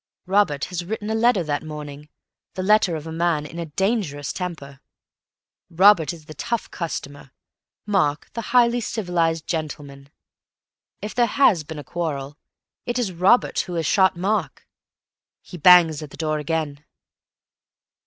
Robert has written a letter that morning, the letter of a man in a dangerous temper. Robert is the tough customer; Mark the highly civilized gentleman. If there has been a quarrel, it is Robert who has shot Mark. He bangs at the door again.